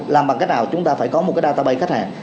làm bằng cách nào chúng ta phải có một cái databay khách hàng